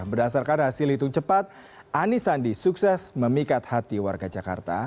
berdasarkan hasil hitung cepat anies sandi sukses memikat hati warga jakarta